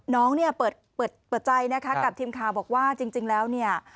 น้องเนี่ยเปิดใจนะคะกับทีมข่าวบอกว่าจริงแล้วเนี่ย